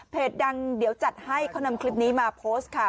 ดังเดี๋ยวจัดให้เขานำคลิปนี้มาโพสต์ค่ะ